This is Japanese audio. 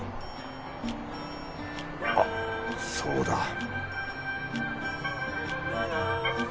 あっそうだ